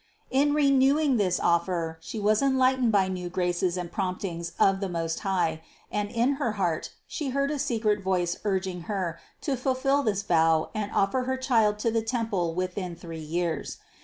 In renewing this offer she 280 CITY OF GOD was enlightened by new graces and promptings of the Most High, and in her heart she heard a secret voice urging her to fulfill this vow and offer her Child to the temple within three years.